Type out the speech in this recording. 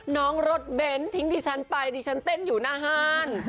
น้องรถเบนท์ทิ้งดิฉันไปดิฉันเต้นอยู่หน้าห้าน